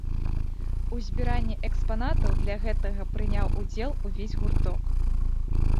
У збіранні экспанатаў для гэтага прыняў удзел увесь гурток.